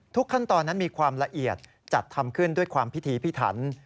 ขั้นตอนนั้นมีความละเอียดจัดทำขึ้นด้วยความพิธีพิถัน